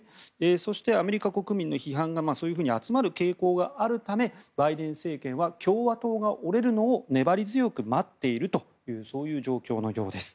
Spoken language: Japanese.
そして、アメリカ国民の批判がそういうふうに集まる傾向があるためバイデン政権は共和党が折れるのを粘り強く待っているというそういう状況のようです。